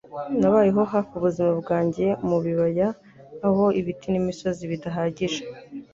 Nabayeho hafi yubuzima bwanjye mubibaya aho ibiti n'imisozi bidahagije.